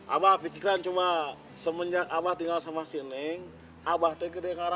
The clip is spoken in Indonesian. abah pikirkan cuma semenjak abah tinggal sama si neng abah tidak akan berpura pura